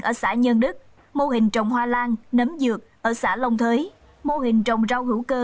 ở xã nhân đức mô hình trồng hoa lan nấm dược ở xã lông thới mô hình trồng rau hữu cơ